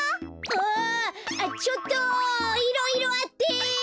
あちょっといろいろあって！